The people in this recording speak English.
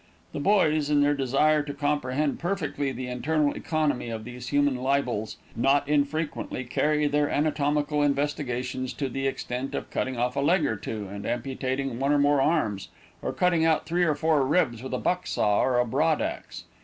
The boys, in their desire to comprehend perfectly the internal economy of these human libels, not unfrequently carry their anatomical investigations to the extent of cutting off a leg or two, and amputating one or more arms, or cutting out three or four ribs with a buck saw or a broad axe.